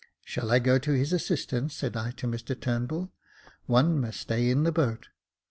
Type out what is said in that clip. "Shall I go to his assistance?" said I to Mr Turnbull. " One must stay in the boat."